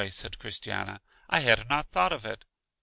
said Christiana, I had not thought of it.